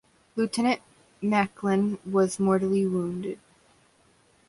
Lieutenant Maclean was mortally wounded.